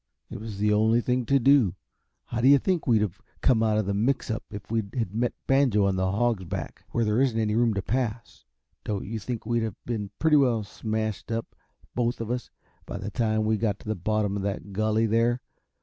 "It was the only thing to do. How do you think we'd have come out of the mix up if we had met Banjo on the Hog's Back, where there isn't room to pass? Don't you think we'd have been pretty well smashed up, both of us, by the time we got to the bottom of that gully, there?